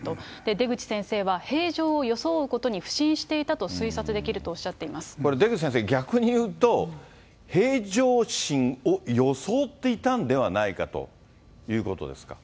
出口先生は平常を装うことに腐心していたと推察できるとしていまこれ出口先生、逆に言うと、平常心を装っていたんではないかということですか。